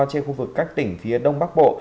trên khu vực các tỉnh phía đông bắc bộ